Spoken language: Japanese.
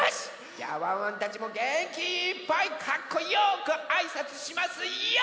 じゃあワンワンたちもげんきいっぱいかっこよくあいさつしますＹＯ！